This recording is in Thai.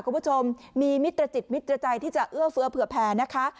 คุณผู้ชมมีมิตรจิตมิตรใจที่จะเอื้อเฟื้อเผื่อแผ่นะคะ